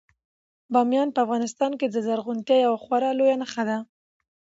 بامیان په افغانستان کې د زرغونتیا یوه خورا لویه نښه ده.